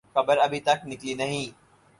خبر ابھی تک نکلی نہیں۔